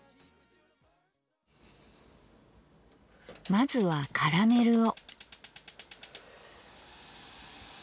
まずはカラメルを。